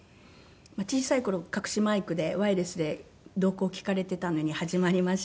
小さい頃隠しマイクでワイヤレスで動向を聞かれていたのに始まりまして。